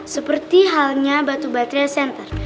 seperti halnya batu baterai center